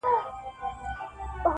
• زه له فطرته عاشقي کومه ښه کومه ..